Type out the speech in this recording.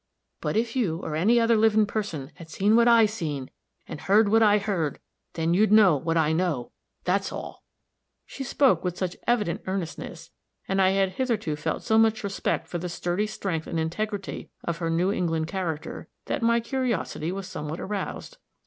But if you, or any other livin' person, had seen what I seen, and heard what I heard, then you'd know what I know that's all!" She spoke with such evident earnestness, and I had hitherto felt so much respect for the sturdy strength and integrity of her New England character, that my curiosity was somewhat aroused.